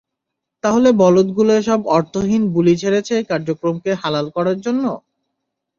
তাহলে বলদগুলো এসব অর্থহীন বুলি ঝেড়েছে এই কার্যক্রমকে হালাল করার জন্য!